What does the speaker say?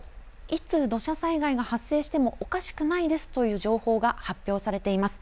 いつ土砂災害が発生してもおかしくないですという情報が発表されています。